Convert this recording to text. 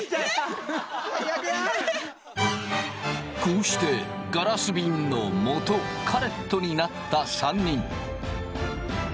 こうしてガラスびんのもとカレットになった３人。